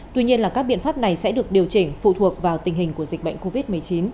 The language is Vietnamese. tuy nhiên là các biện pháp này sẽ được điều chỉnh phụ thuộc vào tình hình của dịch bệnh covid một mươi chín